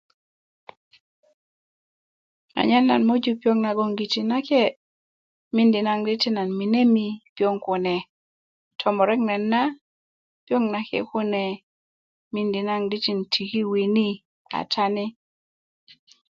anyen nan möju piyoŋ nagoŋgiti nake' miindi naŋ di ti nan minemi piyoŋ kune tomurek nayit na piyoŋ nake' kume miindi naŋ di ti nan tiki wini kata ni